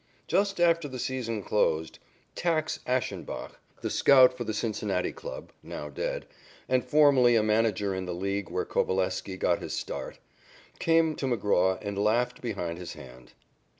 Just after the season closed, "Tacks" Ashenbach, the scout for the Cincinnati club, now dead, and formerly a manager in the league where Coveleski got his start, came to McGraw and laughed behind his hand.